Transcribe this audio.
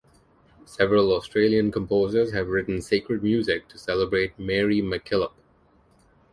Several Australian composers have written sacred music to celebrate Mary MacKillop.